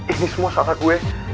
ini semua salah gue